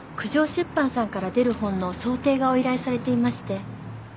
出版さんから出る本の装丁画を依頼されていまして。